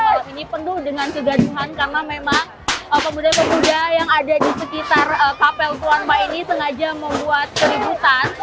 hal ini penuh dengan kegaduhan karena memang pemuda pemuda yang ada di sekitar kapel tuan rumah ini sengaja membuat keributan